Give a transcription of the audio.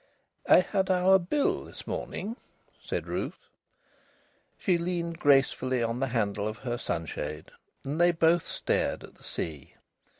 "I had our bill this morning," said Ruth. She leaned gracefully on the handle of her sunshade, and they both stared at the sea.